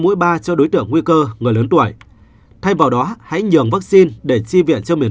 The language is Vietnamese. mũi ba cho đối tượng nguy cơ người lớn tuổi thay vào đó hãy nhường vaccine để chi viện cho một mươi